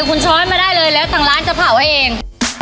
คุณชอบให้มาได้เลยแล้วสั่งร้านจะเผาเอง